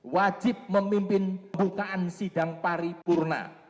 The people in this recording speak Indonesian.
wajib memimpin pembukaan sidang paripurna